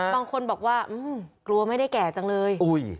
บางคนบอกว่ากลัวไม่ได้แก่จังเลย